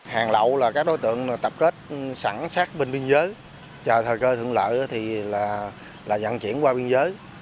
hàng lậu là các đối tượng tập kết sẵn sát bên biên giới chờ thời cơ thượng lợi thì là dặn chuyển qua biên giới